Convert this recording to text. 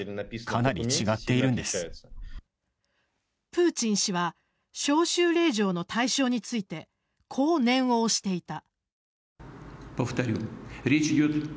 プーチン氏は招集令状の対象についてこう念を押していた。